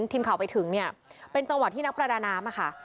ทีมข่าวไปถึงเป็นจังหวัดที่นักประดาน้ำ